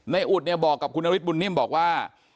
อุดเนี่ยบอกกับคุณนฤทธบุญนิ่มบอกว่า